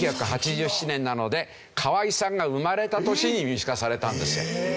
１９８７年なので河合さんが生まれた年に民主化されたんですよ。